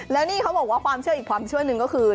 แล้วนี่เขาบอกว่าความเชื่ออีกความเชื่อหนึ่งก็คือ